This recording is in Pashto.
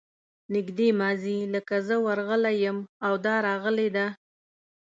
نږدې ماضي لکه زه ورغلی یم او دا راغلې ده.